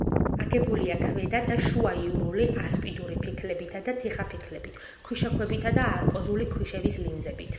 აგებულია ქვედა და შუაიურული ასპიდური ფიქლებითა და თიხაფიქლებით, ქვიშაქვებითა და არკოზული ქვიშების ლინზებით.